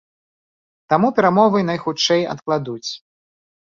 Таму перамовы найхутчэй адкладуць.